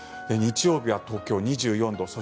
日曜日は東京、２４度。